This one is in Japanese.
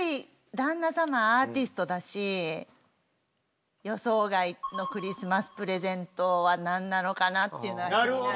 旦那様アーティストだし予想外のクリスマスプレゼントは何なのかなっていうのは気になる。